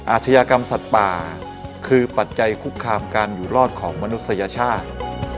อาชญากรรมสัตว์ป่าคือปัจจัยคุกคามการอยู่รอดของมนุษยชาติ